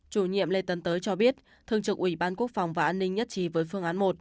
chủ nhiệm lê tấn tới cho biết thương trực ủy ban quốc phòng và an ninh nhất trí với phương án một